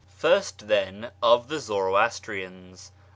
First, then, of the Zoroastrians.